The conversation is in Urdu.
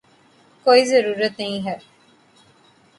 کوئی ضرورت نہیں ہے